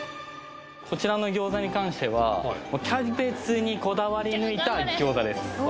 こちらの餃子に関してはもうにこだわり抜いた餃子です